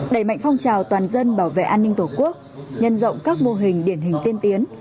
đẩy mạnh phong trào toàn dân bảo vệ an ninh tổ quốc nhân rộng các mô hình điển hình tiên tiến